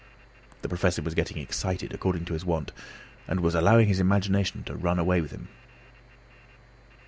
The Professor was getting excited according to his wont, and was allowing his imagination to run away with him.